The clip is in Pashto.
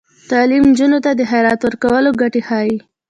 تعلیم نجونو ته د خیرات ورکولو ګټې ښيي.